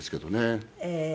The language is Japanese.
ええ。